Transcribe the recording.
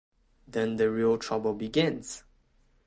Then the real trouble begins.